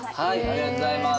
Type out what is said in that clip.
ありがとうございます。